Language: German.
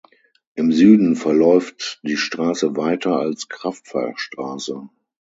Im Süden verläuft die Straße weiter als Kraftfahrstraße.